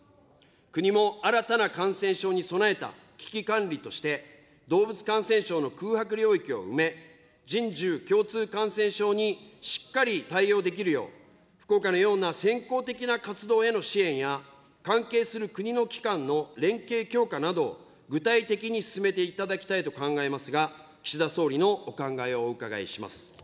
国も新たな感染症に備えた危機管理として、動物感染症の空白領域を埋め、人獣共通感染症にしっかり対応できるよう、福岡のような先行的な活動への支援や、関係する国の機関の連携強化など、具体的に進めていただきたいと考えますが、岸田総理のお考えをお伺いします。